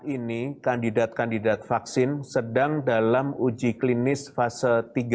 ini kandidat kandidat vaksin sedang dalam uji klinis fase tiga